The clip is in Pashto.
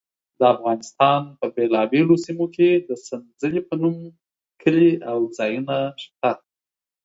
د افغانستان په بېلابېلو سیمو کې د سنځلې په نوم کلي او ځایونه شته.